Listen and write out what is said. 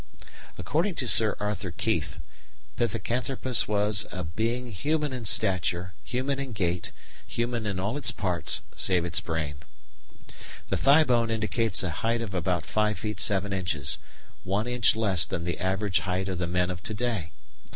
According to Sir Arthur Keith, Pithecanthropus was "a being human in stature, human in gait, human in all its parts, save its brain." The thigh bone indicates a height of about 5 feet 7 inches, one inch less than the average height of the men of to day.